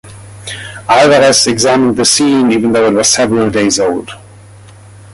Alvarez examined the scene even though it was several days old.